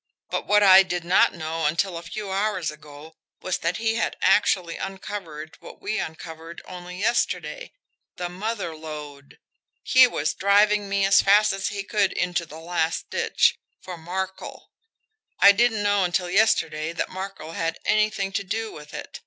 But what I did not know until a few hours ago was that he had actually uncovered what we uncovered only yesterday the mother lode. He was driving me as fast as he could into the last ditch for Markel. I didn't know until yesterday that Markel had any thing to do with it.